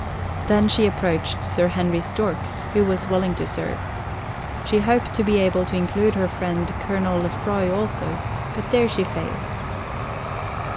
Then she approached Sir Henry Storks, who was willing to serve. She hoped to be able to include her friend Colonel Lefroy also, but there she failed.